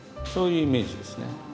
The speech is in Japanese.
そういうイメージですね。